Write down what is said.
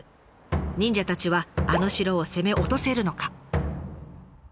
忍者たちはあの城を攻め落とせるのか？